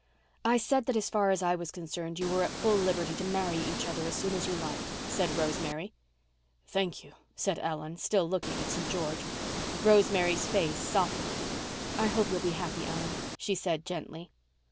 "I said that as far as I was concerned you were at full liberty to marry each other as soon as you liked," said Rosemary. "Thank you," said Ellen, still looking at St. George. Rosemary's face softened. "I hope you'll be happy, Ellen," she said gently.